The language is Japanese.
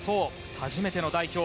初めての代表。